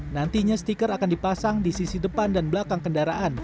nantinya stiker akan dipasang di sisi depan dan belakang kendaraan